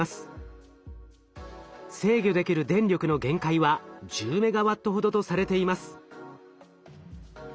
制御できる電力の限界は１０メガワットほどとされています。